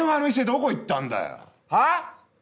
どこ行ったんだよああ！？